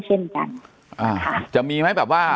เช่นกันอ่าค่ะจะมีไหมแบบว่า